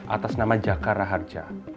atas nama jakaraharja